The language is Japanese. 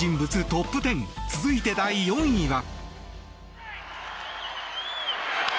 トップ１０続いて第４位は。